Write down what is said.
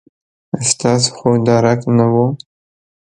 ستاسو خو درک نه و.